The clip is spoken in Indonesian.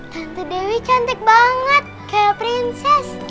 tante dewi cantik banget kayak prinses